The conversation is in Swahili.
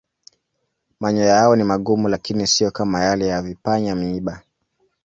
Manyoya yao ni magumu lakini siyo kama yale ya vipanya-miiba.